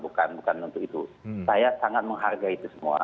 bukan bukan untuk itu saya sangat menghargai itu semua